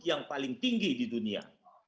yang paling tinggi di dunia